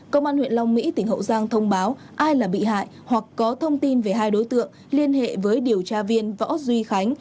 công an huyện long mỹ tỉnh hậu giang thông báo ai là bị hại hoặc có thông tin về hai đối tượng liên hệ với điều tra viên võ duy khánh